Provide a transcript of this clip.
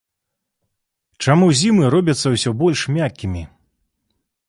Чаму зімы робяцца ўсё больш мяккімі?